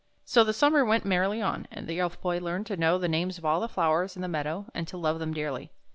So the summer went merrily on, and the Elf Boy learned to know the names of all the flowers in the meadow, and to love them dearly.